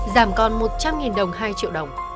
giảm còn một trăm linh đồng hai triệu đồng